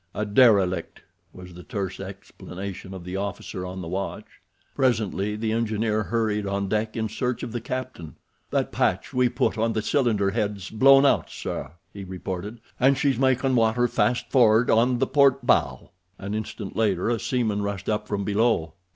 "A derelict," was the terse explanation of the officer of the watch. Presently the engineer hurried on deck in search of the captain. "That patch we put on the cylinder head's blown out, sir," he reported, "and she's makin' water fast for'ard on the port bow." An instant later a seaman rushed up from below.